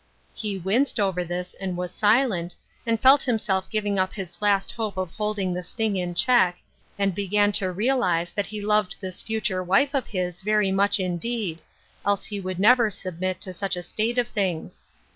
He winced over this, and was silent, and felt himself giving up his last hope of holding this thing in check, and began to realize that he loved this future wife of his very much indeed, else he could never submit to such a state of things.